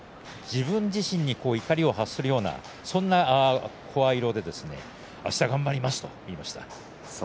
まさに自分自身に怒りを発するようなそんな声色であした頑張りますと話していました。